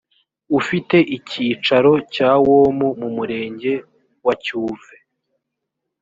ufite icyicaro cyawomu murenge wa cyuve